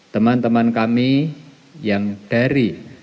teman teman kami yang dari